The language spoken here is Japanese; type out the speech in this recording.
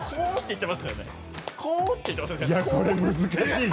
これ難しいぞ。